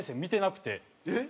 えっ？